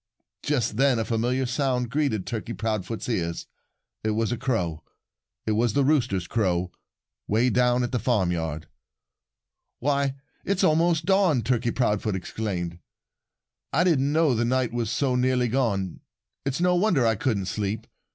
Just then a familiar sound greeted Turkey Proudfoot's ears. It was a crow. It was the rooster's crow, way down at the farmyard. "Why, it's almost dawn!" Turkey Proudfoot exclaimed. "I didn't know the night was so nearly gone. It's no wonder I couldn't sleep.